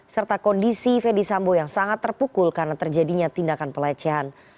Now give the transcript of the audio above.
serta kondisi ferdisambo yang sangat terpukul karena terjadinya tindakan pelecehan